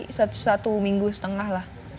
jadi setelah itu aku latihan satu minggu setengah lah